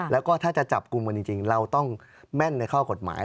แล้วก็ถ้าจะจับกลุ่มกันจริงเราต้องแม่นในข้อกฎหมาย